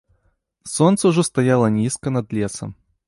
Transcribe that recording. Сонца ўжо стаяла нізка над лесам.